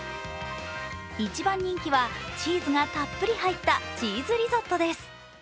一番人気はチーズがたっぷり入ったチーズリゾットです。